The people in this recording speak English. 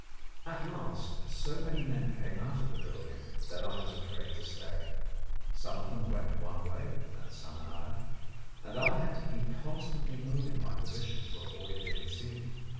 At last so many men came out of the building that I was afraid to stay. Some of them went one way, and some another, and I had to keep constantly moving my position to avoid being seen.